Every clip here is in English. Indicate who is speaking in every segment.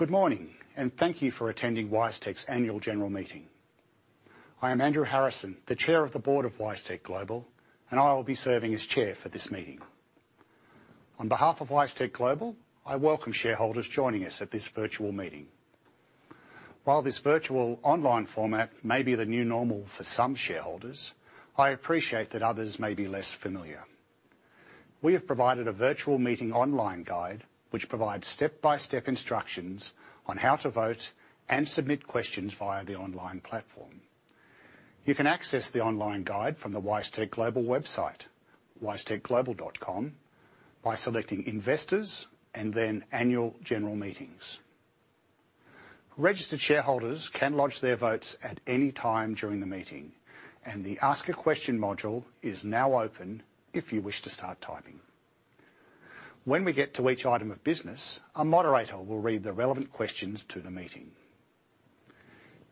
Speaker 1: Good morning, and thank you for attending WiseTech's Annual General Meeting. I am Andrew Harrison, the Chair of the Board of WiseTech Global, and I will be serving as Chair for this meeting. On behalf of WiseTech Global, I welcome shareholders joining us at this virtual meeting. While this virtual online format may be the new normal for some shareholders, I appreciate that others may be less familiar. We have provided a virtual meeting online guide, which provides step-by-step instructions on how to vote and submit questions via the online platform. You can access the online guide from the WiseTech Global website, wisetechglobal.com, by selecting Investors and then Annual General Meetings. Registered shareholders can lodge their votes at any time during the meeting, and the Ask a Question module is now open if you wish to start typing. When we get to each item of business, a moderator will read the relevant questions to the meeting.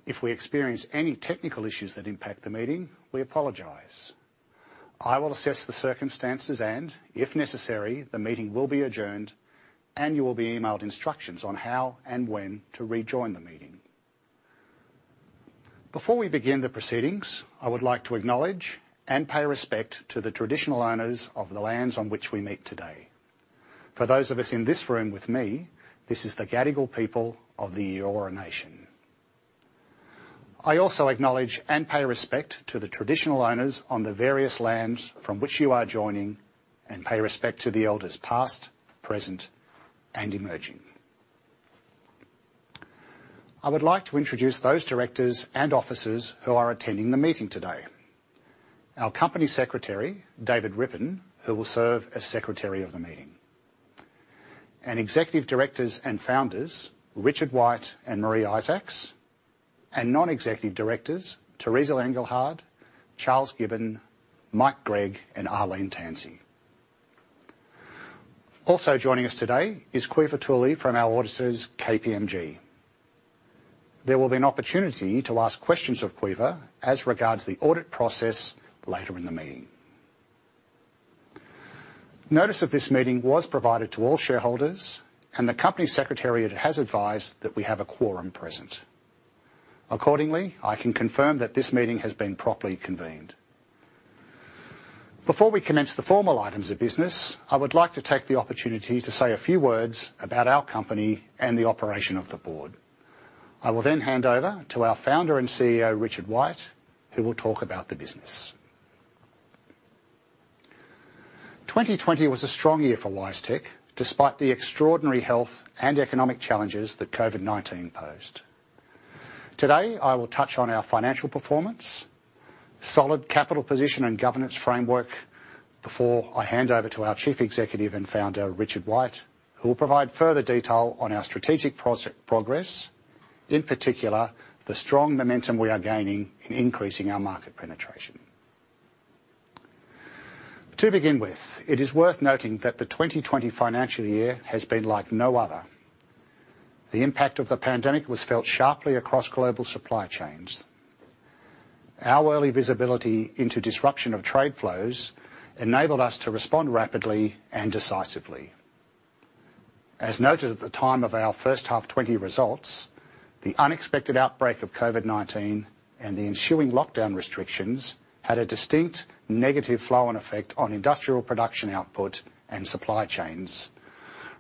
Speaker 1: If we experience any technical issues that impact the meeting, we apologize. I will assess the circumstances and, if necessary, the meeting will be adjourned, and you will be emailed instructions on how and when to rejoin the meeting. Before we begin the proceedings, I would like to acknowledge and pay respect to the traditional owners of the lands on which we meet today. For those of us in this room with me, this is the Gadigal people of the Eora Nation. I also acknowledge and pay respect to the traditional owners on the various lands from which you are joining and pay respect to the elders past, present, and emerging. I would like to introduce those directors and officers who are attending the meeting today: our Company Secretary, David Rippon, who will serve as Secretary of the meeting, and Executive Directors and Founders, Richard White and Maree Isaacs, and Non-Executive Directors, Teresa Engelhard, Charles Gibbon, Mike Gregg, and Arlene Tansey. Also joining us today is Caoimhe Toouli from our auditors, KPMG. There will be an opportunity to ask questions of auditor as regards the audit process later in the meeting. Notice of this meeting was provided to all shareholders, and the Company Secretariat has advised that we have a quorum present. Accordingly, I can confirm that this meeting has been properly convened. Before we commence the formal items of business, I would like to take the opportunity to say a few words about our company and the operation of the board. I will then hand over to our Founder and CEO, Richard White, who will talk about the business. 2020 was a strong year for WiseTech, despite the extraordinary health and economic challenges that COVID-19 posed. Today, I will touch on our financial performance, solid capital position, and governance framework before I hand over to our Chief Executive and Founder, Richard White, who will provide further detail on our strategic progress, in particular the strong momentum we are gaining in increasing our market penetration. To begin with, it is worth noting that the 2020 financial year has been like no other. The impact of the pandemic was felt sharply across global supply chains. Our early visibility into disruption of trade flows enabled us to respond rapidly and decisively. As noted at the time of our first half 2020 results, the unexpected outbreak of COVID-19 and the ensuing lockdown restrictions had a distinct negative flow-on effect on industrial production output and supply chains,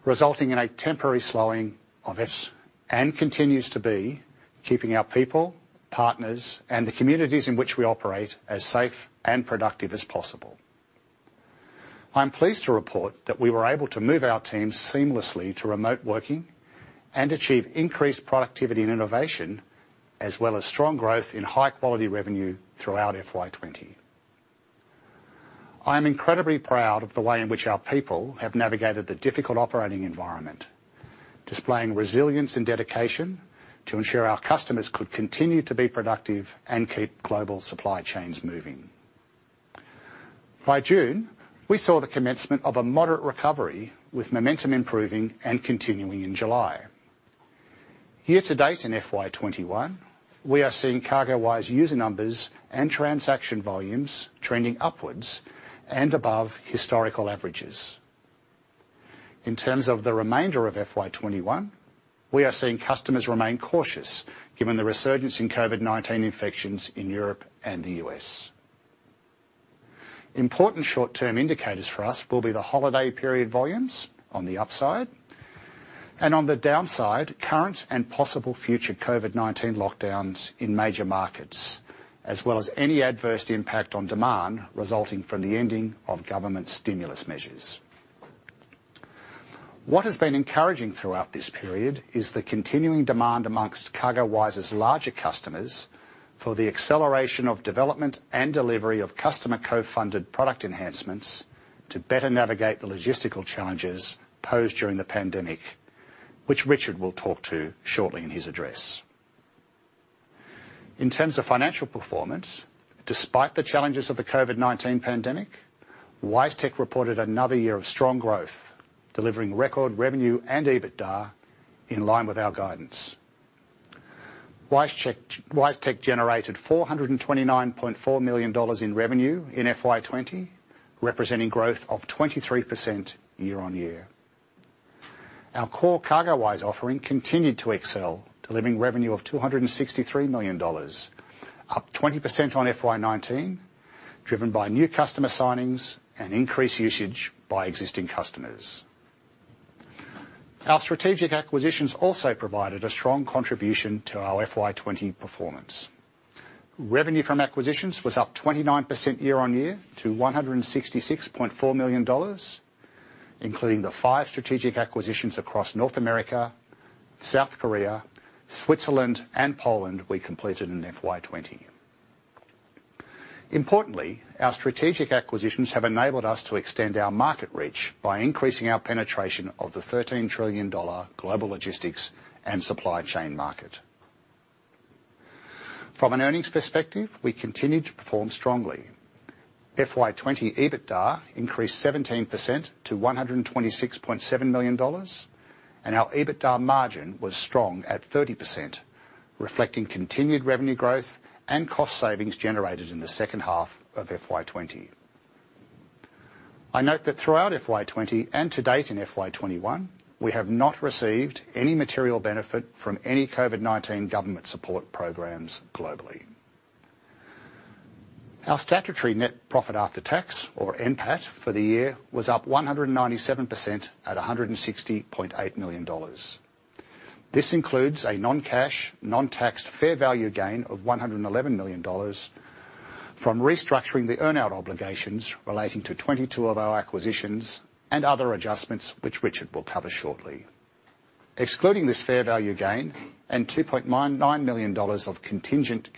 Speaker 1: resulting in a temporary slowing of. Continues to be keeping our people, partners, and the communities in which we operate as safe and productive as possible. I'm pleased to report that we were able to move our teams seamlessly to remote working and achieve increased productivity and innovation, as well as strong growth in high-quality revenue throughout FY 2020. I am incredibly proud of the way in which our people have navigated the difficult operating environment, displaying resilience and dedication to ensure our customers could continue to be productive and keep global supply chains moving. By June, we saw the commencement of a moderate recovery, with momentum improving and continuing in July. Year to date in FY 2021, we are seeing CargoWise user numbers and transaction volumes trending upwards and above historical averages. In terms of the remainder of FY 2021, we are seeing customers remain cautious given the resurgence in COVID-19 infections in Europe and the U.S. Important short-term indicators for us will be the holiday period volumes on the upside, and on the downside, current and possible future COVID-19 lockdowns in major markets, as well as any adverse impact on demand resulting from the ending of government stimulus measures. What has been encouraging throughout this period is the continuing demand amongst CargoWise's larger customers for the acceleration of development and delivery of customer co-funded product enhancements to better navigate the logistical challenges posed during the pandemic, which Richard will talk to shortly in his address. In terms of financial performance, despite the challenges of the COVID-19 pandemic, WiseTech reported another year of strong growth, delivering record revenue and EBITDA in line with our guidance. WiseTech generated 429.4 million dollars in revenue in FY 2020, representing growth of 23% year-on-year. Our core CargoWise offering continued to excel, delivering revenue of 263 million dollars, up 20% on FY 2019, driven by new customer signings and increased usage by existing customers. Our strategic acquisitions also provided a strong contribution to our FY 2020 performance. Revenue from acquisitions was up 29% year-on-year to 166.4 million dollars, including the five strategic acquisitions across North America, South Korea, Switzerland, and Poland we completed in FY 2020. Importantly, our strategic acquisitions have enabled us to extend our market reach by increasing our penetration of the USD 13 trillion global logistics and supply chain market. From an earnings perspective, we continue to perform strongly. FY 2020 EBITDA increased 17% to 126.7 million dollars, and our EBITDA margin was strong at 30%, reflecting continued revenue growth and cost savings generated in the second half of FY 2020. I note that throughout FY 2020 and to date in FY 2021, we have not received any material benefit from any COVID-19 government support programs globally. Our statutory net profit after tax, or NPAT, for the year was up 197% at 160.8 million dollars. This includes a non-cash, non-taxed fair value gain of 111 million dollars from restructuring the earnout obligations relating to 22 of our acquisitions and other adjustments, which Richard will cover shortly. Excluding this fair value gain and 2.99 million dollars of contingent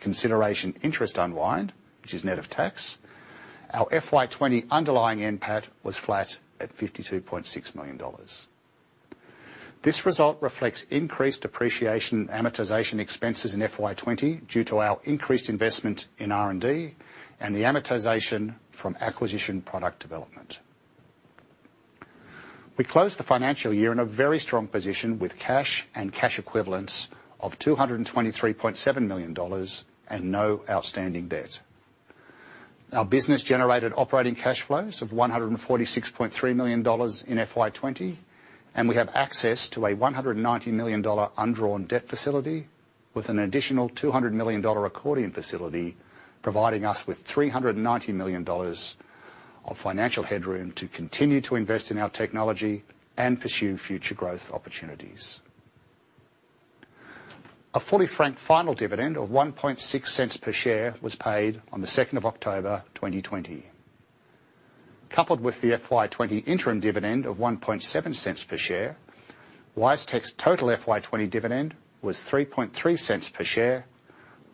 Speaker 1: consideration interest unwind, which is net of tax, our FY 2020 underlying NPAT was flat at 52.6 million dollars. This result reflects increased depreciation amortization expenses in FY 2020 due to our increased investment in R&D and the amortization from acquisition product development. We closed the financial year in a very strong position with cash and cash equivalents of 223.7 million dollars and no outstanding debt. Our business generated operating cash flows of 146.3 million dollars in FY 2020, and we have access to a 190 million dollar undrawn debt facility with an additional 200 million dollar accordion facility, providing us with 390 million dollars of financial headroom to continue to invest in our technology and pursue future growth opportunities. A fully franked final dividend of 1.6 cents per share was paid on the 2nd of October 2020. Coupled with the FY 2020 interim dividend of 1.7 cents per share, WiseTech's total FY 2020 dividend was 3.3 cents per share,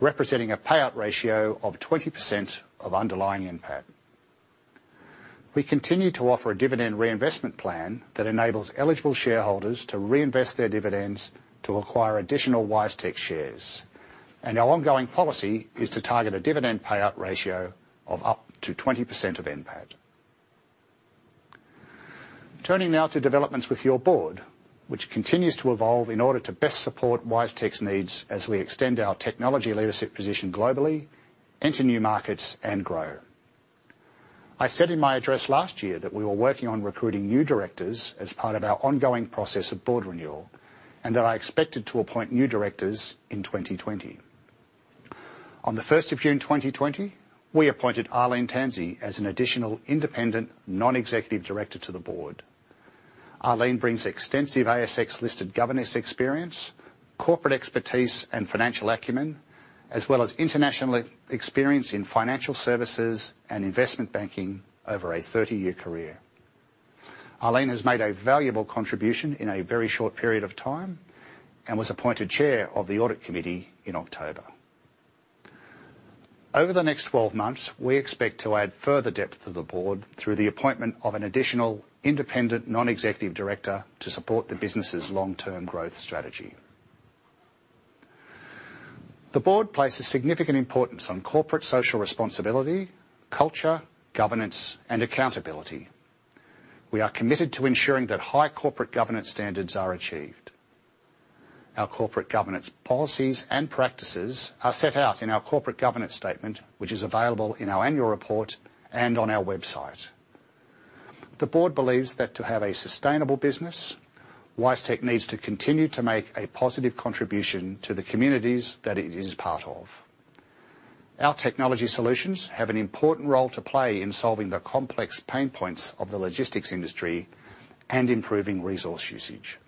Speaker 1: representing a payout ratio of 20% of underlying NPAT. We continue to offer a dividend reinvestment plan that enables eligible shareholders to reinvest their dividends to acquire additional WiseTech shares, and our ongoing policy is to target a dividend payout ratio of up to 20% of NPAT. Turning now to developments with your board, which continues to evolve in order to best support WiseTech's needs as we extend our technology leadership position globally, enter new markets, and grow. I said in my address last year that we were working on recruiting new directors as part of our ongoing process of board renewal and that I expected to appoint new directors in 2020. On the 1st of June 2020, we appointed Arlene Tansey as an additional independent Non-Executive Director to the board. Arlene brings extensive ASX-listed governance experience, corporate expertise, and financial acumen, as well as international experience in financial services and investment banking over a 30-year career. Arlene has made a valuable contribution in a very short period of time and was appointed Chair of the Audit Committee in October. Over the next 12 months, we expect to add further depth to the board through the appointment of an additional independent Non-Executive Director to support the business's long-term growth strategy. The board places significant importance on corporate social responsibility, culture, governance, and accountability. We are committed to ensuring that high corporate governance standards are achieved. Our corporate governance policies and practices are set out in our corporate governance statement, which is available in our annual report and on our website. The board believes that to have a sustainable business, WiseTech needs to continue to make a positive contribution to the communities that it is part of. Our technology solutions have an important role to play in solving the complex pain points of the logistics industry and improving resource usage.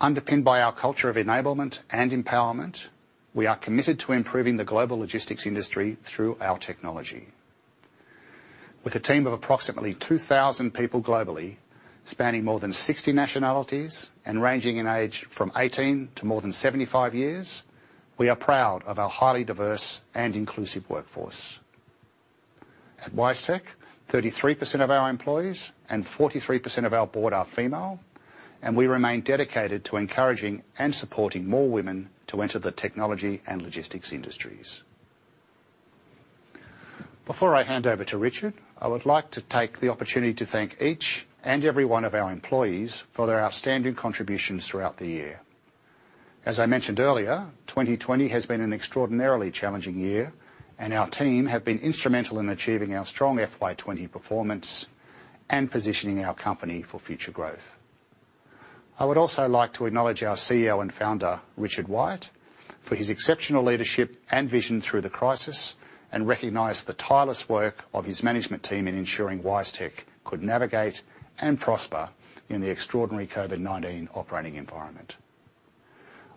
Speaker 1: Underpinned by our culture of enablement and empowerment, we are committed to improving the global logistics industry through our technology. With a team of approximately 2,000 people globally, spanning more than 60 nationalities and ranging in age from 18 to more than 75 years, we are proud of our highly diverse and inclusive workforce. At WiseTech, 33% of our employees and 43% of our board are female, and we remain dedicated to encouraging and supporting more women to enter the technology and logistics industries. Before I hand over to Richard, I would like to take the opportunity to thank each and every one of our employees for their outstanding contributions throughout the year. As I mentioned earlier, 2020 has been an extraordinarily challenging year, and our team has been instrumental in achieving our strong FY 2020 performance and positioning our company for future growth. I would also like to acknowledge our CEO and Founder, Richard White, for his exceptional leadership and vision through the crisis, and recognize the tireless work of his management team in ensuring WiseTech could navigate and prosper in the extraordinary COVID-19 operating environment.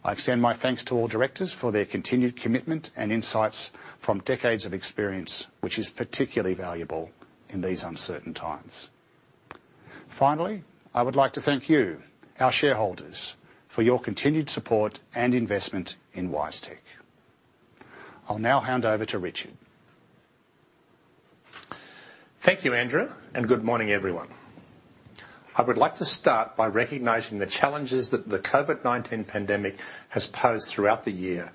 Speaker 1: I extend my thanks to all directors for their continued commitment and insights from decades of experience, which is particularly valuable in these uncertain times. Finally, I would like to thank you, our shareholders, for your continued support and investment in WiseTech. I'll now hand over to Richard.
Speaker 2: Thank you, Andrew, and good morning, everyone. I would like to start by recognizing the challenges that the COVID-19 pandemic has posed throughout the year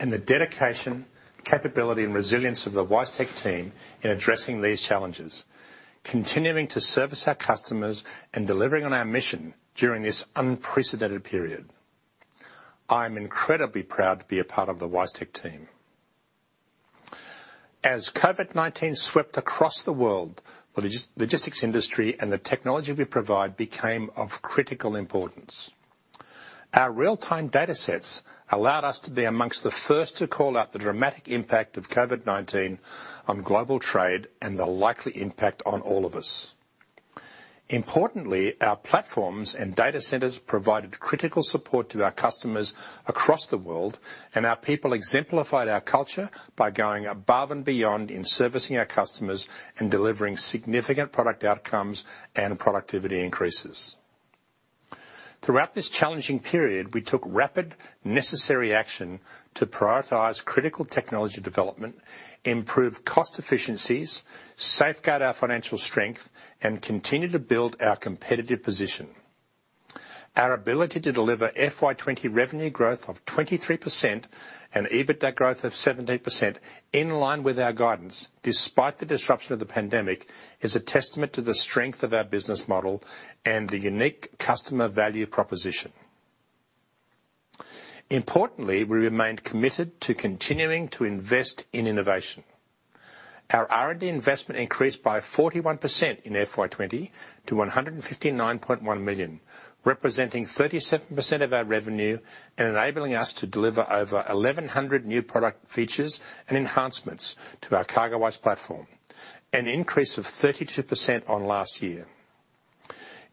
Speaker 2: and the dedication, capability, and resilience of the WiseTech team in addressing these challenges, continuing to service our customers and delivering on our mission during this unprecedented period. I am incredibly proud to be a part of the WiseTech team. As COVID-19 swept across the world, the logistics industry and the technology we provide became of critical importance. Our real-time data sets allowed us to be amongst the first to call out the dramatic impact of COVID-19 on global trade and the likely impact on all of us. Importantly, our platforms and data centers provided critical support to our customers across the world, and our people exemplified our culture by going above and beyond in servicing our customers and delivering significant product outcomes and productivity increases. Throughout this challenging period, we took rapid, necessary action to prioritize critical technology development, improve cost efficiencies, safeguard our financial strength, and continue to build our competitive position. Our ability to deliver FY 2020 revenue growth of 23% and EBITDA growth of 17% in line with our guidance, despite the disruption of the pandemic, is a testament to the strength of our business model and the unique customer value proposition. Importantly, we remained committed to continuing to invest in innovation. Our R&D investment increased by 41% in FY 2020 to 159.1 million, representing 37% of our revenue and enabling us to deliver over 1,100 new product features and enhancements to our CargoWise platform, an increase of 32% on last year.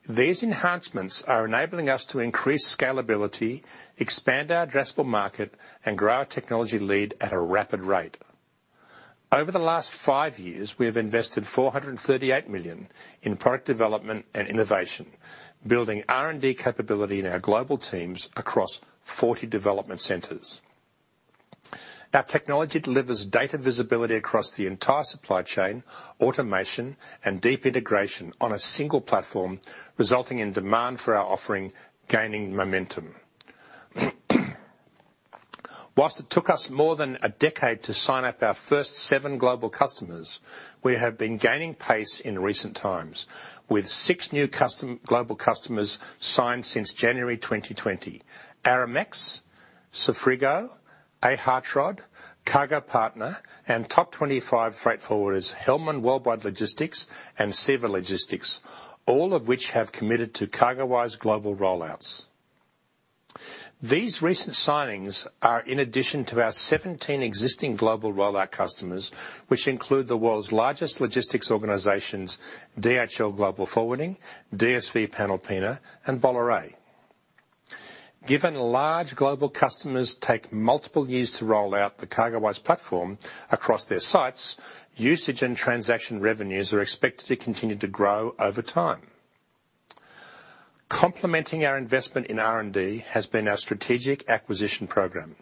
Speaker 2: These enhancements are enabling us to increase scalability, expand our addressable market, and grow our technology lead at a rapid rate. Over the last five years, we have invested 438 million in product development and innovation, building R&D capability in our global teams across 40 development centers. Our technology delivers data visibility across the entire supply chain, automation, and deep integration on a single platform, resulting in demand for our offering gaining momentum. While it took us more than a decade to sign up our first seven global customers, we have been gaining pace in recent times, with six new global customers signed since January 2020: Aramex, Seafrigo, a. hartrodt, cargo-partner, and top 25 freight forwarders Hellmann Worldwide Logistics and CEVA Logistics, all of which have committed to CargoWise global rollouts. These recent signings are in addition to our 17 existing global rollout customers, which include the world's largest logistics organizations, DHL Global Forwarding, DSV Panalpina, and Bolloré. Given large global customers take multiple years to roll out the CargoWise platform across their sites, usage and transaction revenues are expected to continue to grow over time. Complementing our investment in R&D has been our strategic acquisition program.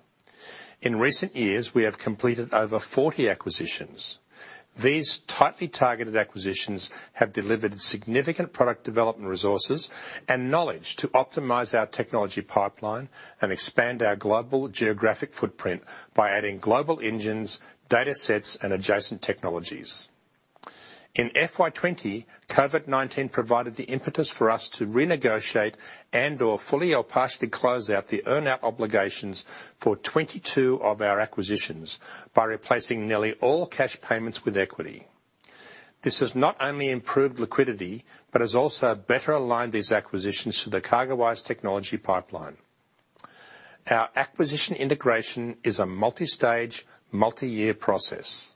Speaker 2: In recent years, we have completed over 40 acquisitions. These tightly targeted acquisitions have delivered significant product development resources and knowledge to optimize our technology pipeline and expand our global geographic footprint by adding global engines, data sets, and adjacent technologies. In FY 2020, COVID-19 provided the impetus for us to renegotiate and/or fully or partially close out the earnout obligations for 22 of our acquisitions by replacing nearly all cash payments with equity. This has not only improved liquidity but has also better aligned these acquisitions to the CargoWise technology pipeline. Our acquisition integration is a multi-stage, multi-year process.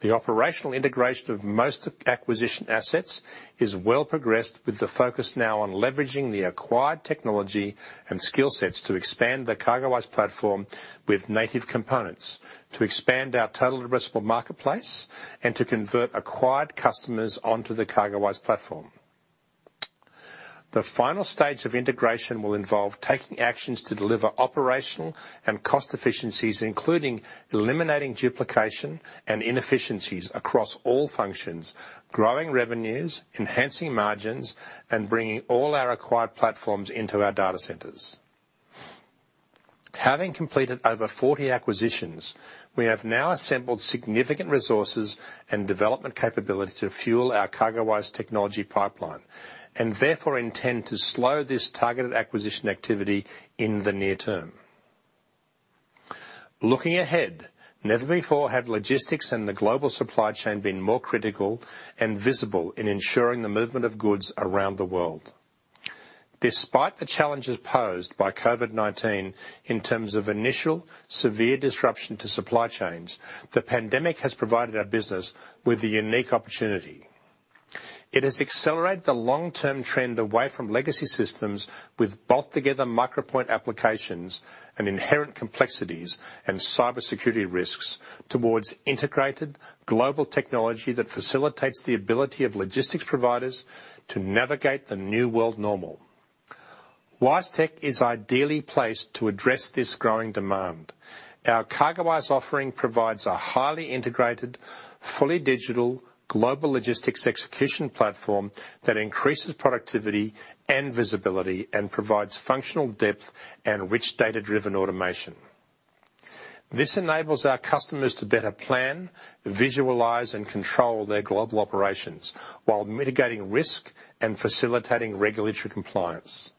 Speaker 2: The operational integration of most acquisition assets is well progressed, with the focus now on leveraging the acquired technology and skill sets to expand the CargoWise platform with native components, to expand our total addressable marketplace, and to convert acquired customers onto the CargoWise platform. The final stage of integration will involve taking actions to deliver operational and cost efficiencies, including eliminating duplication and inefficiencies across all functions, growing revenues, enhancing margins, and bringing all our acquired platforms into our data centers. Having completed over 40 acquisitions, we have now assembled significant resources and development capability to fuel our CargoWise technology pipeline and therefore intend to slow this targeted acquisition activity in the near term. Looking ahead, never before have logistics and the global supply chain been more critical and visible in ensuring the movement of goods around the world. Despite the challenges posed by COVID-19 in terms of initial severe disruption to supply chains, the pandemic has provided our business with a unique opportunity. It has accelerated the long-term trend away from legacy systems with bolt-together micro-point applications and inherent complexities and cybersecurity risks towards integrated global technology that facilitates the ability of logistics providers to navigate the new world normal. WiseTech is ideally placed to address this growing demand. Our CargoWise offering provides a highly integrated, fully digital global logistics execution platform that increases productivity and visibility and provides functional depth and rich data-driven automation. This enables our customers to better plan, visualize, and control their global operations while mitigating risk and facilitating regulatory compliance.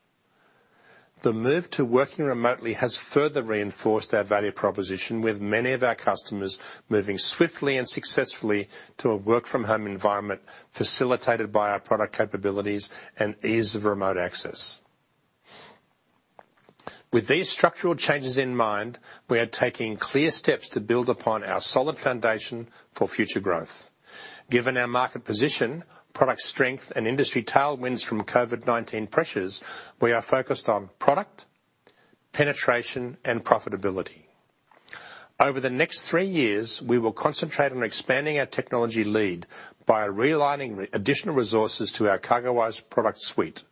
Speaker 2: The move to working remotely has further reinforced our value proposition, with many of our customers moving swiftly and successfully to a work-from-home environment facilitated by our product capabilities and ease of remote access. With these structural changes in mind, we are taking clear steps to build upon our solid foundation for future growth. Given our market position, product strength, and industry tailwinds from COVID-19 pressures, we are focused on product, penetration, and profitability. Over the next three years, we will concentrate on expanding our technology lead by realigning additional resources to our CargoWise product suite.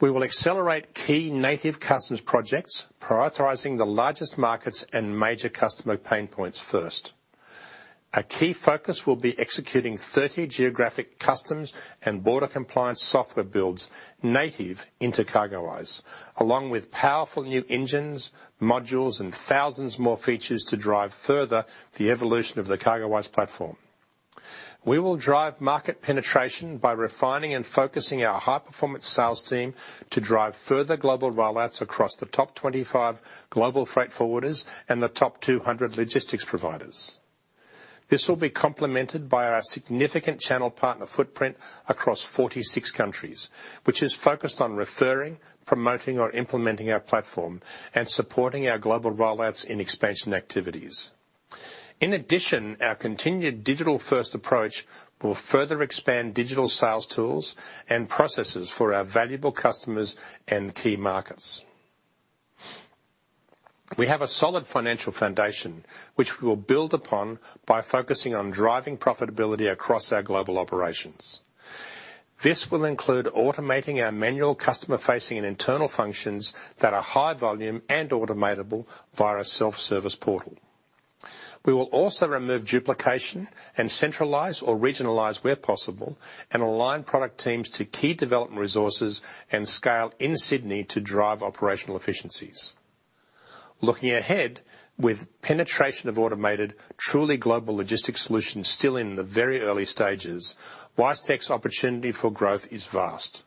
Speaker 2: We will accelerate key native customs projects, prioritizing the largest markets and major customer pain points first. A key focus will be executing 30 geographic customs and border compliance software builds native into CargoWise, along with powerful new engines, modules, and thousands more features to drive further the evolution of the CargoWise platform. We will drive market penetration by refining and focusing our high-performance sales team to drive further global rollouts across the top 25 global freight forwarders and the top 200 logistics providers. This will be complemented by our significant channel partner footprint across 46 countries, which is focused on referring, promoting, or implementing our platform and supporting our global rollouts in expansion activities. In addition, our continued digital-first approach will further expand digital sales tools and processes for our valuable customers and key markets. We have a solid financial foundation, which we will build upon by focusing on driving profitability across our global operations. This will include automating our manual customer-facing and internal functions that are high volume and automatable via a self-service portal. We will also remove duplication and centralize or regionalize where possible and align product teams to key development resources and scale in Sydney to drive operational efficiencies. Looking ahead, with penetration of automated, truly global logistics solutions still in the very early stages, WiseTech's opportunity for growth is vast.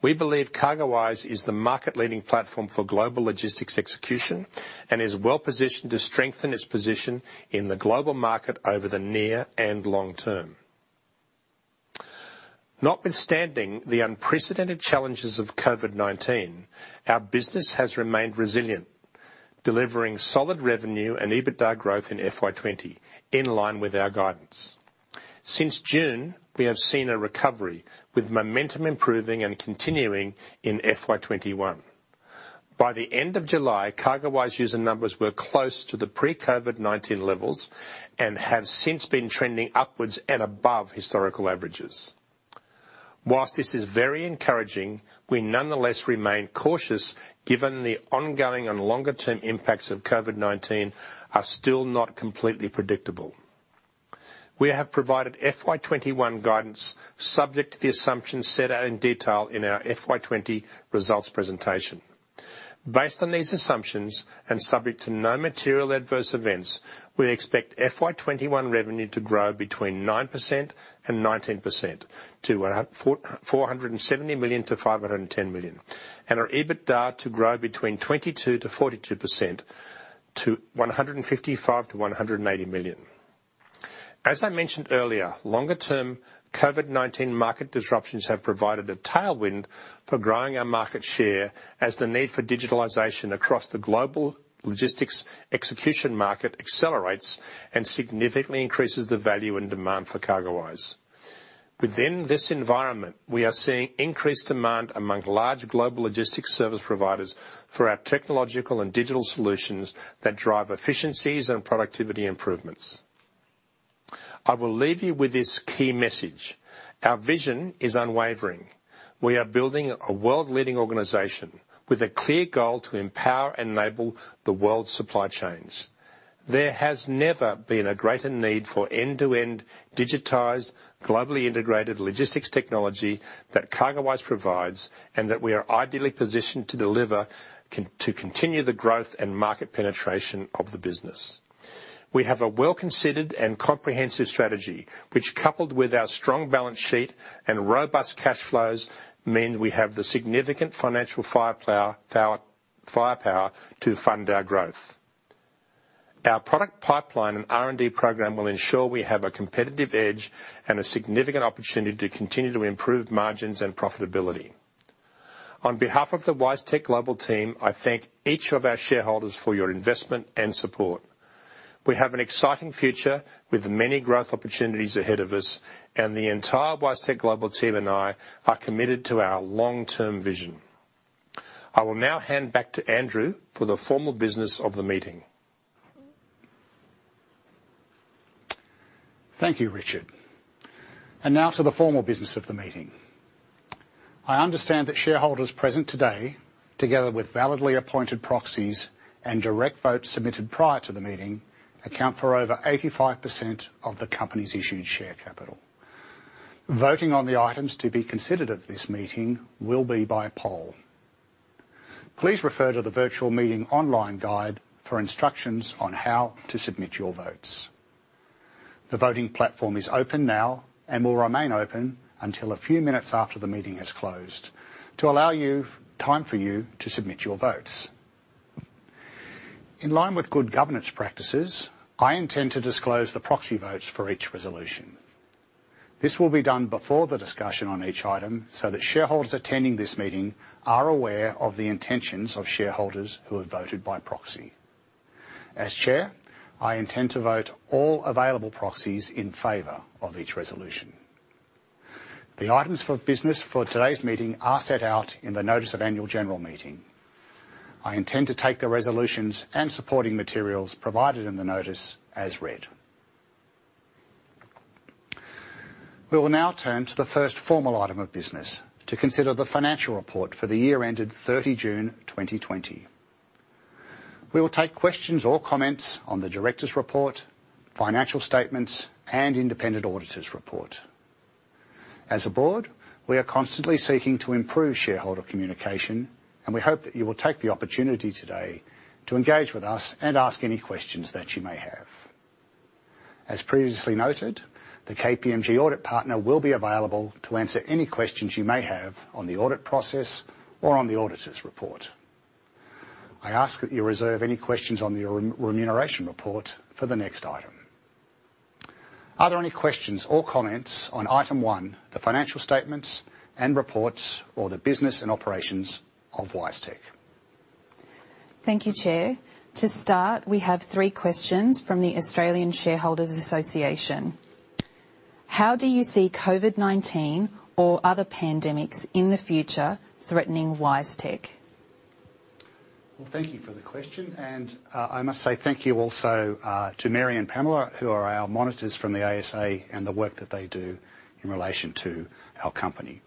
Speaker 2: We believe CargoWise is the market-leading platform for global logistics execution and is well positioned to strengthen its position in the global market over the near and long term. Notwithstanding the unprecedented challenges of COVID-19, our business has remained resilient, delivering solid revenue and EBITDA growth in FY 2020 in line with our guidance. Since June, we have seen a recovery, with momentum improving and continuing in FY 2021. By the end of July, CargoWise user numbers were close to the pre-COVID-19 levels and have since been trending upwards and above historical averages. While this is very encouraging, we nonetheless remain cautious given the ongoing and longer-term impacts of COVID-19 are still not completely predictable. We have provided FY 2021 guidance subject to the assumptions set out in detail in our FY 2020 results presentation. Based on these assumptions and subject to no material adverse events, we expect FY 2021 revenue to grow between 9% and 19% to 470 million-510 million and our EBITDA to grow between 22%-42% to 155 million-180 million. As I mentioned earlier, longer-term COVID-19 market disruptions have provided a tailwind for growing our market share as the need for digitalization across the global logistics execution market accelerates and significantly increases the value and demand for CargoWise. Within this environment, we are seeing increased demand among large global logistics service providers for our technological and digital solutions that drive efficiencies and productivity improvements. I will leave you with this key message: our vision is unwavering. We are building a world-leading organization with a clear goal to empower and enable the world's supply chains. There has never been a greater need for end-to-end digitized, globally integrated logistics technology that CargoWise provides and that we are ideally positioned to deliver to continue the growth and market penetration of the business. We have a well-considered and comprehensive strategy, which, coupled with our strong balance sheet and robust cash flows, means we have the significant financial firepower to fund our growth. Our product pipeline and R&D program will ensure we have a competitive edge and a significant opportunity to continue to improve margins and profitability. On behalf of the WiseTech Global team, I thank each of our shareholders for your investment and support. We have an exciting future with many growth opportunities ahead of us, and the entire WiseTech Global team and I are committed to our long-term vision. I will now hand back to Andrew for the formal business of the meeting.
Speaker 1: Thank you, Richard. And now to the formal business of the meeting. I understand that shareholders present today, together with validly appointed proxies and direct votes submitted prior to the meeting, account for over 85% of the company's issued share capital. Voting on the items to be considered at this meeting will be by poll. Please refer to the virtual meeting online guide for instructions on how to submit your votes. The voting platform is open now and will remain open until a few minutes after the meeting has closed to allow time for you to submit your votes. In line with good governance practices, I intend to disclose the proxy votes for each resolution. This will be done before the discussion on each item so that shareholders attending this meeting are aware of the intentions of shareholders who have voted by proxy. As Chair, I intend to vote all available proxies in favor of each resolution. The items for business for today's meeting are set out in the notice of annual general meeting. I intend to take the resolutions and supporting materials provided in the notice as read. We will now turn to the first formal item of business to consider the financial report for the year ended 30 June 2020. We will take questions or comments on the director's report, financial statements, and independent auditor's report. As a board, we are constantly seeking to improve shareholder communication, and we hope that you will take the opportunity today to engage with us and ask any questions that you may have. As previously noted, the KPMG audit partner will be available to answer any questions you may have on the audit process or on the auditor's report. I ask that you reserve any questions on the remuneration report for the next item. Are there any questions or comments on item one, the financial statements and reports, or the business and operations of WiseTech?
Speaker 3: Thank you, Chair. To start, we have three questions from the Australian Shareholders Association. How do you see COVID-19 or other pandemics in the future threatening WiseTech?
Speaker 1: Well, thank you for the question, and I must say thank you also to Mary and Pamela, who are our monitors from the ASA and the work that they do in relation to our company.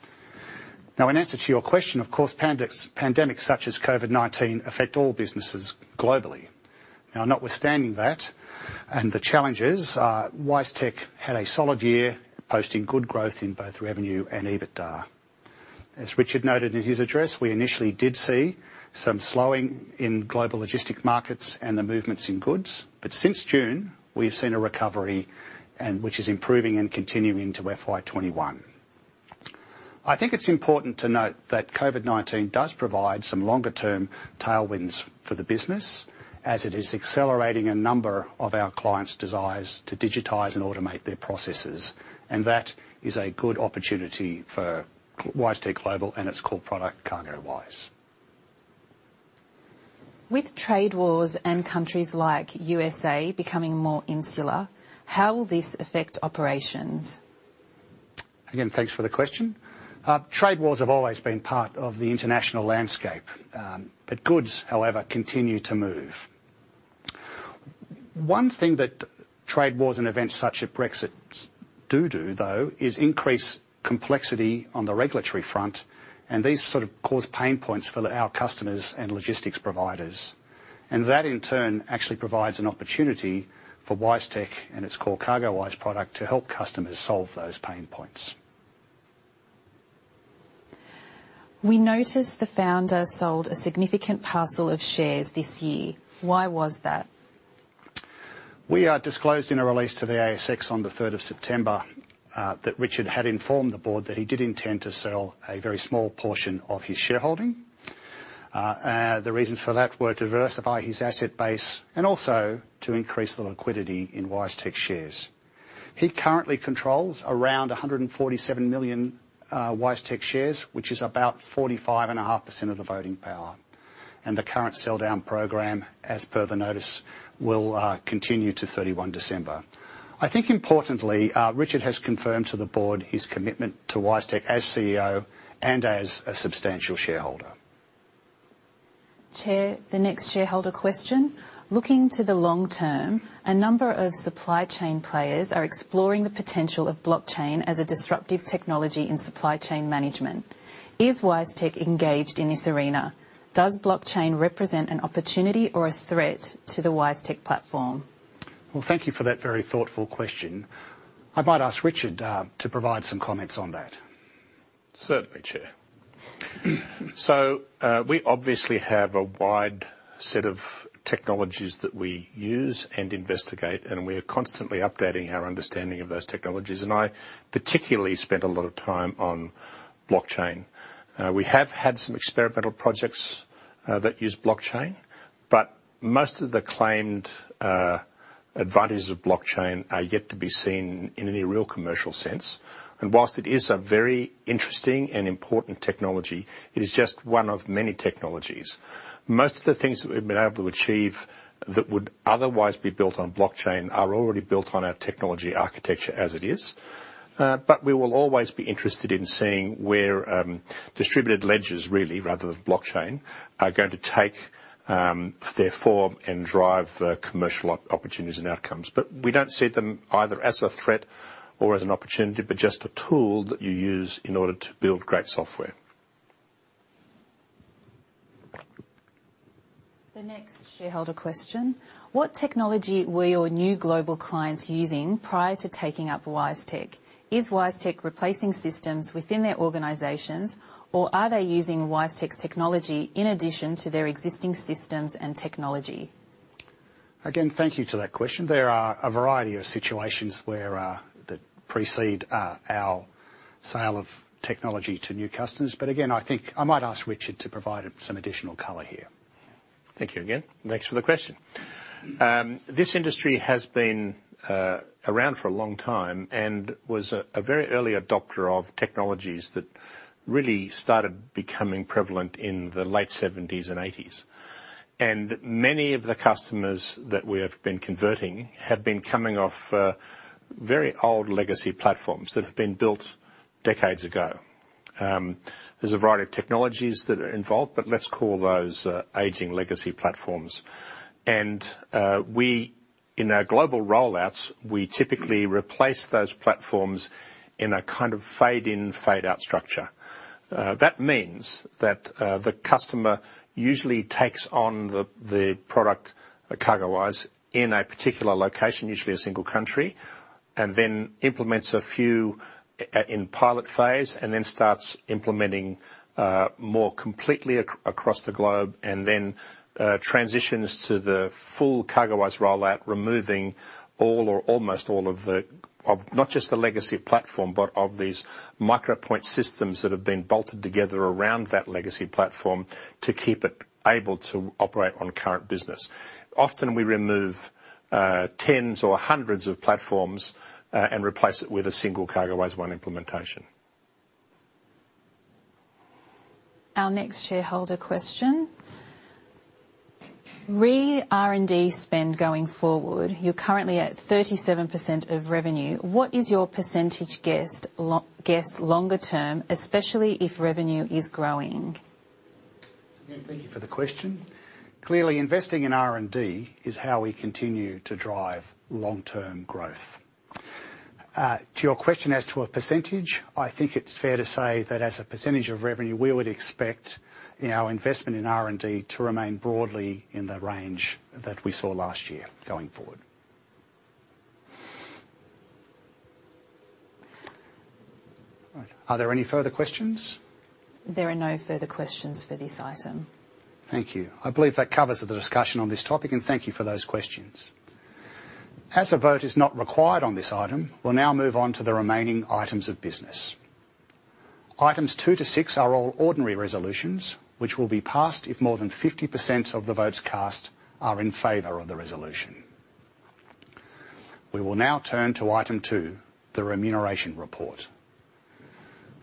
Speaker 1: Now, in answer to your question, of course, pandemics such as COVID-19 affect all businesses globally. Now, notwithstanding that and the challenges, WiseTech had a solid year posting good growth in both revenue and EBITDA. As Richard noted in his address, we initially did see some slowing in global logistics markets and the movements in goods, but since June, we've seen a recovery which is improving and continuing into FY 2021. I think it's important to note that COVID-19 does provide some longer-term tailwinds for the business as it is accelerating a number of our clients' desires to digitize and automate their processes, and that is a good opportunity for WiseTech Global and its core product, CargoWise.
Speaker 3: With trade wars and countries like U.S.A. becoming more insular, how will this affect operations?
Speaker 1: Again, thanks for the question. Trade wars have always been part of the international landscape, but goods, however, continue to move. One thing that trade wars and events such as Brexit do do, though, is increase complexity on the regulatory front, and these sort of cause pain points for our customers and logistics providers. And that, in turn, actually provides an opportunity for WiseTech and its core CargoWise product to help customers solve those pain points.
Speaker 3: We noticed the founder sold a significant parcel of shares this year. Why was that?
Speaker 1: We disclosed in a release to the ASX on the 3rd of September that Richard had informed the board that he did intend to sell a very small portion of his shareholding. The reasons for that were to diversify his asset base and also to increase the liquidity in WiseTech shares. He currently controls around 147 million WiseTech shares, which is about 45.5% of the voting power. The current sell-down program, as per the notice, will continue to 31 December. I think, importantly, Richard has confirmed to the board his commitment to WiseTech as CEO and as a substantial shareholder.
Speaker 3: Chair, the next shareholder question. Looking to the long term, a number of supply chain players are exploring the potential of blockchain as a disruptive technology in supply chain management. Is WiseTech engaged in this arena? Does blockchain represent an opportunity or a threat to the WiseTech platform?
Speaker 1: Thank you for that very thoughtful question. I might ask Richard to provide some comments on that.
Speaker 2: Certainly, Chair. We obviously have a wide set of technologies that we use and investigate, and we are constantly updating our understanding of those technologies. I particularly spent a lot of time on blockchain. We have had some experimental projects that use blockchain, but most of the claimed advantages of blockchain are yet to be seen in any real commercial sense. And while it is a very interesting and important technology, it is just one of many technologies. Most of the things that we've been able to achieve that would otherwise be built on blockchain are already built on our technology architecture as it is. But we will always be interested in seeing where distributed ledgers, really, rather than blockchain, are going to take their form and drive commercial opportunities and outcomes. But we don't see them either as a threat or as an opportunity, but just a tool that you use in order to build great software.
Speaker 3: The next shareholder question. What technology were your new global clients using prior to taking up WiseTech? Is WiseTech replacing systems within their organizations, or are they using WiseTech's technology in addition to their existing systems and technology?
Speaker 1: Again, thank you to that question. There are a variety of situations that precede our sale of technology to new customers. But again, I think I might ask Richard to provide some additional color here.
Speaker 2: Thank you again. Thanks for the question. This industry has been around for a long time and was a very early adopter of technologies that really started becoming prevalent in the late 1970s and 1980s. Many of the customers that we have been converting have been coming off very old legacy platforms that have been built decades ago. There is a variety of technologies that are involved, but let's call those aging legacy platforms. In our global rollouts, we typically replace those platforms in a kind of fade-in, fade-out structure. That means that the customer usually takes on the product at CargoWise in a particular location, usually a single country, and then implements a few in pilot phase and then starts implementing more completely across the globe and then transitions to the full CargoWise rollout, removing all or almost all of the not just the legacy platform, but of these micro-point systems that have been bolted together around that legacy platform to keep it able to operate on current business. Often, we remove tens or hundreds of platforms and replace it with a single CargoWise One implementation.
Speaker 3: Our next shareholder question. Re-R&D spend going forward. You're currently at 37% of revenue. What is your percentage guess longer term, especially if revenue is growing?
Speaker 1: Again, thank you for the question. Clearly, investing in R&D is how we continue to drive long-term growth. To your question as to a percentage, I think it's fair to say that as a percentage of revenue, we would expect our investment in R&D to remain broadly in the range that we saw last year going forward. Are there any further questions?
Speaker 3: There are no further questions for this item.
Speaker 1: Thank you. I believe that covers the discussion on this topic, and thank you for those questions. As a vote is not required on this item, we'll now move on to the remaining items of business. Items two to six are all ordinary resolutions, which will be passed if more than 50% of the votes cast are in favor of the resolution. We will now turn to item two, the remuneration report.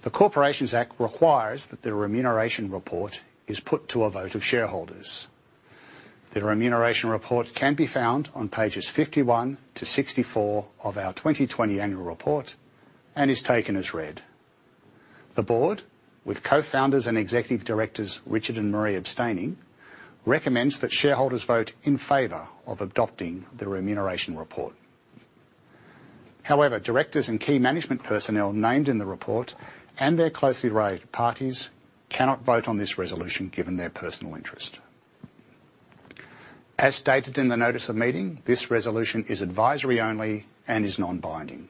Speaker 1: The Corporations Act requires that the remuneration report is put to a vote of shareholders. The remuneration report can be found on pages 51 to 64 of our 2020 annual report and is taken as read. The board, with co-founders and executive directors Richard and Maree abstaining, recommends that shareholders vote in favor of adopting the remuneration report. However, directors and key management personnel named in the report and their closely-related parties cannot vote on this resolution given their personal interest. As stated in the notice of meeting, this resolution is advisory only and is non-binding.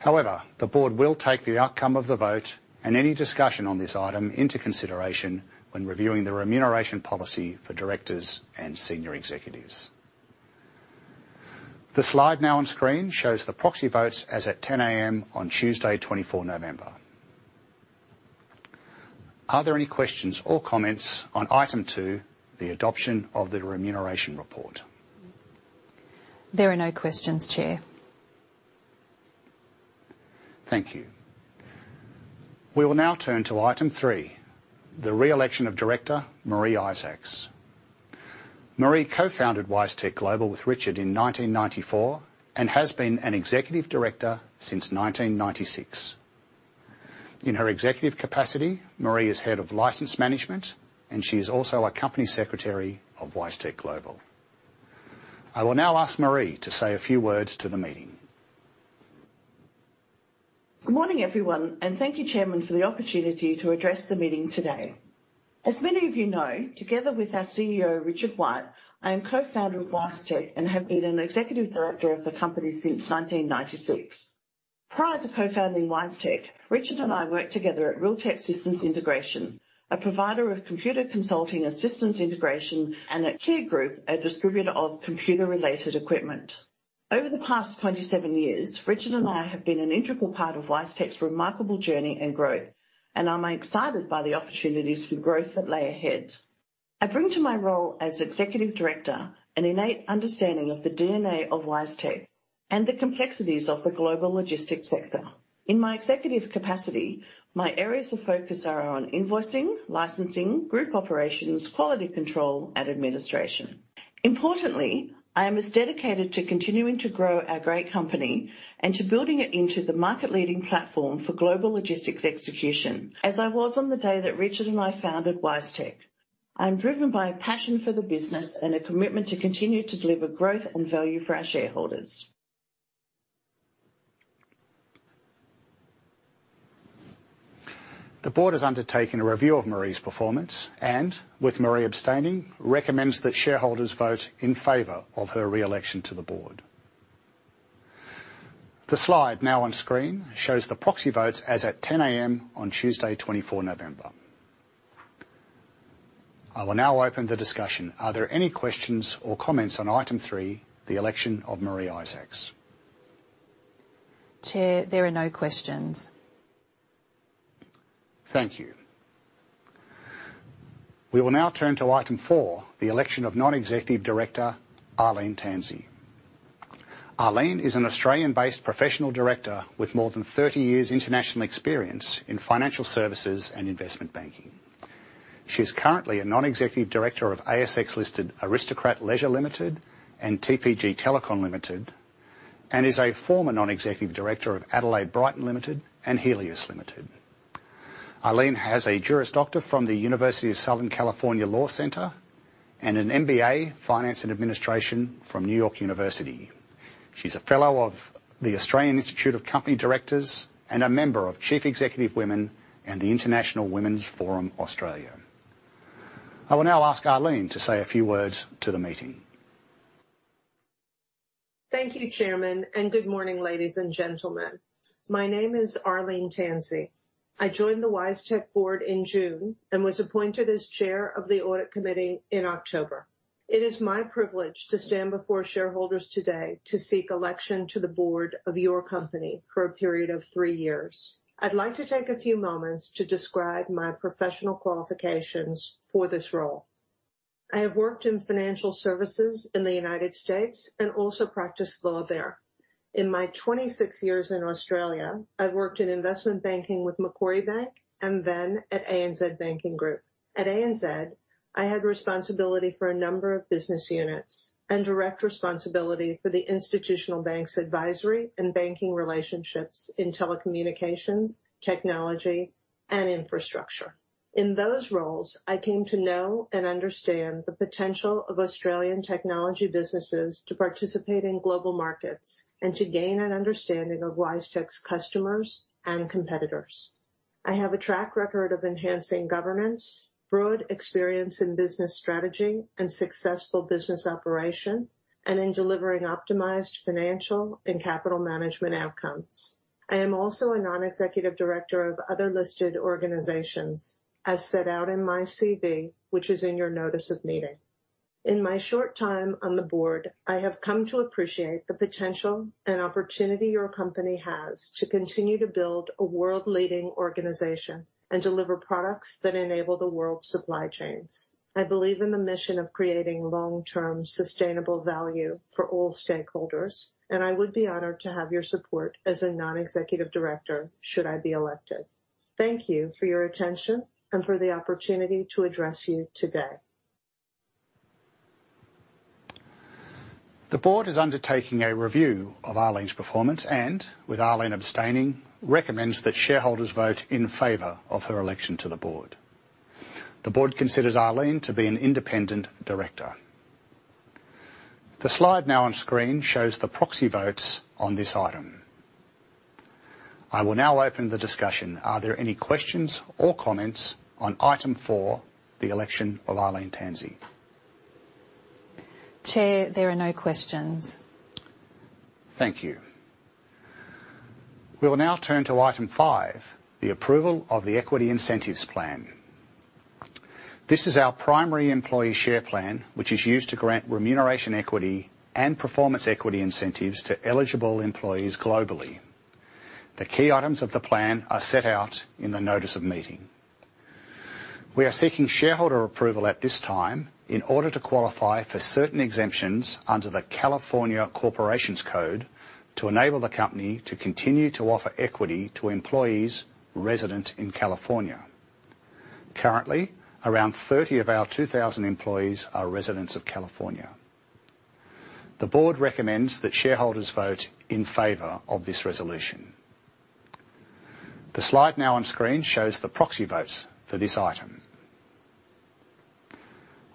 Speaker 1: However, the board will take the outcome of the vote and any discussion on this item into consideration when reviewing the remuneration policy for directors and senior executives. The slide now on screen shows the proxy votes as at 10:00 A.M. on Tuesday, 24 November. Are there any questions or comments on item two, the adoption of the remuneration report?
Speaker 3: There are no questions, Chair.
Speaker 1: Thank you. We will now turn to item three, the re-election of director Maree Isaacs. Maree co-founded WiseTech Global with Richard in 1994 and has been an executive director since 1996. In her executive capacity, Maree is head of license management, and she is also a company secretary of WiseTech Global. I will now ask Maree to say a few words to the meeting.
Speaker 4: Good morning, everyone, and thank you, Chairman, for the opportunity to address the meeting today. As many of you know, together with our CEO, Richard White, I am co-founder of WiseTech and have been an executive director of the company since 1996. Prior to co-founding WiseTech, Richard and I worked together at RealTech Systems Integration, a provider of computer consulting and systems integration, and at Key Group, a distributor of computer-related equipment. Over the past 27 years, Richard and I have been an integral part of WiseTech's remarkable journey and growth, and I'm excited by the opportunities for growth that lay ahead. I bring to my role as executive director an innate understanding of the DNA of WiseTech and the complexities of the global logistics sector. In my executive capacity, my areas of focus are on invoicing, licensing, group operations, quality control, and administration. Importantly, I am as dedicated to continuing to grow our great company and to building it into the market-leading platform for global logistics execution as I was on the day that Richard and I founded WiseTech. I am driven by a passion for the business and a commitment to continue to deliver growth and value for our shareholders.
Speaker 1: The board has undertaken a review of Maree's performance and, with Maree abstaining, recommends that shareholders vote in favor of her re-election to the board. The slide now on screen shows the proxy votes as at 10:00 A.M. on Tuesday, 24 November. I will now open the discussion. Are there any questions or comments on item three, the election of Maree Isaacs?
Speaker 3: Chair, there are no questions.
Speaker 1: Thank you. We will now turn to item four, the election of non-executive director Arlene Tansey. Arlene is an Australian-based professional director with more than 30 years' international experience in financial services and investment banking. She is currently a non-executive director of ASX-listed Aristocrat Leisure Limited and TPG Telecom Limited and is a former non-executive director of Adelaide Brighton Limited and Healius Limited. Arlene has a Juris Doctor from the University of Southern California Law Center and an MBA Finance and Administration from New York University. She's a fellow of the Australian Institute of Company Directors and a member of Chief Executive Women and the International Women's Forum, Australia. I will now ask Arlene to say a few words to the meeting.
Speaker 5: Thank you, Chairman, and good morning, ladies and gentlemen. My name is Arlene Tansey. I joined the WiseTech board in June and was appointed as chair of the audit committee in October. It is my privilege to stand before shareholders today to seek election to the board of your company for a period of three years. I'd like to take a few moments to describe my professional qualifications for this role. I have worked in financial services in the United States and also practiced law there. In my 26 years in Australia, I've worked in investment banking with Macquarie Bank and then at ANZ Banking Group. At ANZ, I had responsibility for a number of business units and direct responsibility for the institutional bank's advisory and banking relationships in telecommunications, technology, and infrastructure. In those roles, I came to know and understand the potential of Australian technology businesses to participate in global markets and to gain an understanding of WiseTech's customers and competitors. I have a track record of enhancing governance, broad experience in business strategy, and successful business operation, and in delivering optimized financial and capital management outcomes. I am also a non-executive director of other listed organizations, as set out in my CV, which is in your notice of meeting. In my short time on the board, I have come to appreciate the potential and opportunity your company has to continue to build a world-leading organization and deliver products that enable the world's supply chains. I believe in the mission of creating long-term sustainable value for all stakeholders, and I would be honored to have your support as a non-executive director should I be elected. Thank you for your attention and for the opportunity to address you today.
Speaker 1: The board is undertaking a review of Arlene's performance and, with Arlene abstaining, recommends that shareholders vote in favor of her election to the board. The board considers Arlene to be an independent director. The slide now on screen shows the proxy votes on this item. I will now open the discussion. Are there any questions or comments on item four, the election of Arlene Tansey?
Speaker 3: Chair, there are no questions.
Speaker 1: Thank you. We will now turn to item five, the approval of the equity incentives plan. This is our primary employee share plan, which is used to grant remuneration equity and performance equity incentives to eligible employees globally. The key items of the plan are set out in the notice of meeting. We are seeking shareholder approval at this time in order to qualify for certain exemptions under the California Corporations Code to enable the company to continue to offer equity to employees resident in California. Currently, around 30 of our 2,000 employees are residents of California. The board recommends that shareholders vote in favor of this resolution. The slide now on screen shows the proxy votes for this item.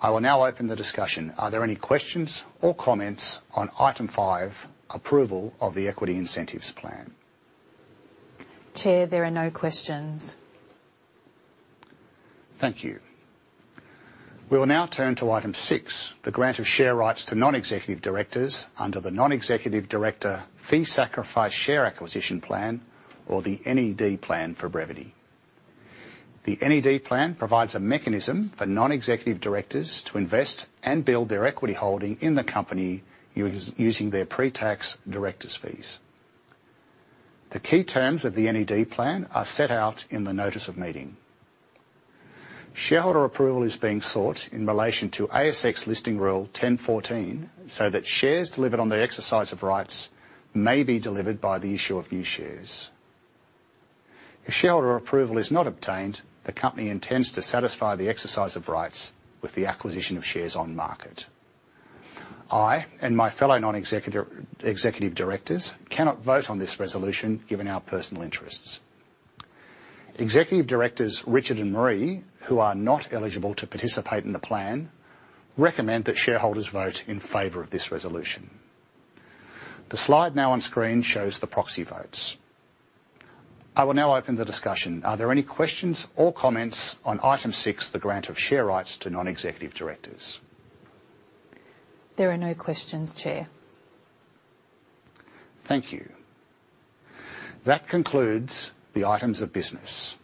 Speaker 1: I will now open the discussion. Are there any questions or comments on item five, approval of the equity incentives plan?
Speaker 3: Chair, there are no questions.
Speaker 1: Thank you. We will now turn to item six, the grant of share rights to non-executive directors under the non-executive director fee sacrifice share acquisition plan, or the NED plan for brevity. The NED plan provides a mechanism for non-executive directors to invest and build their equity holding in the company using their pre-tax director's fees. The key terms of the NED plan are set out in the notice of meeting. Shareholder approval is being sought in relation to ASX listing Rule 10.14, so that shares delivered on the exercise of rights may be delivered by the issue of new shares. If shareholder approval is not obtained, the company intends to satisfy the exercise of rights with the acquisition of shares on market. I and my fellow non-executive directors cannot vote on this resolution given our personal interests. Executive Directors Richard and Maree, who are not eligible to participate in the plan, recommend that shareholders vote in favor of this resolution. The slide now on screen shows the proxy votes. I will now open the discussion. Are there any questions or comments on item six, the grant of share rights to non-executive directors?
Speaker 3: There are no questions, Chair.
Speaker 1: Thank you. That concludes the items of business.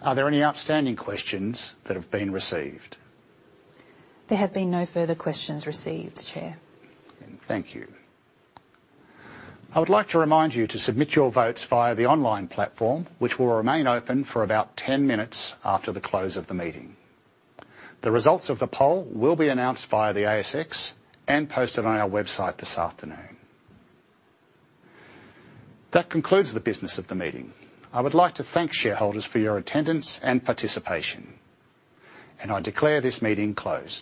Speaker 1: Are there any outstanding questions that have been received?
Speaker 3: There have been no further questions received, Chair.
Speaker 1: Thank you. I would like to remind you to submit your votes via the online platform, which will remain open for about 10 minutes after the close of the meeting. The results of the poll will be announced via the ASX and posted on our website this afternoon. That concludes the business of the meeting. I would like to thank shareholders for your attendance and participation, and I declare this meeting closed.